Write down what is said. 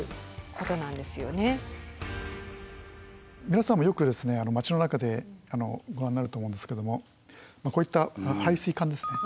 皆さんもよく街の中でご覧になると思うんですけどもこういった配水管ですね。